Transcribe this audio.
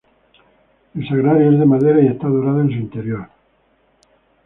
El sagrario es de madera y está dorado en su interior.